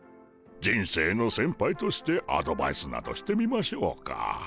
人生のせんぱいとしてアドバイスなどしてみましょうか。